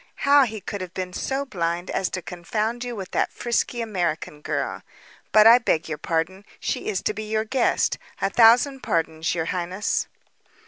How he could have been so blind as to confound you with that frisky American girl but I beg your pardon. She is to be your guest. A thousand pardons, your highness."